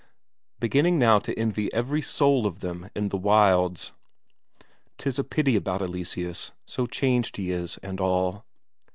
Beginning now to envy every soul of them in the wilds. 'Tis a pity about Eleseus, so changed he is and all.